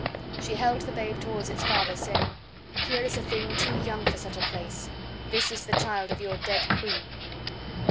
She held the babe toward its father, saying: "Here is a thing too young for such a place. This is the child of your dead queen."